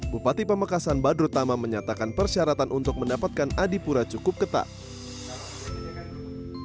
bupati pamekasan badrut tama menyatakan persyaratan untuk mendapatkan adipura cukup ketat